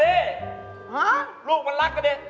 ลูกมันรักกันดิ